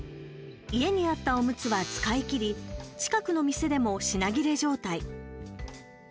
家にあった、おむつは使い切り近くの店でも品切れ状態。